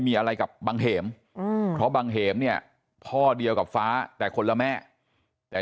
มีอะไรกับบังเหมเพราะบังเหมเนี่ยพ่อเดียวกับฟ้าแต่คนละแม่แต่